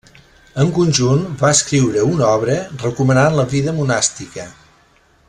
En conjunt va escriure una obra recomanant la vida monàstica.